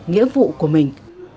nghĩa vụ của mình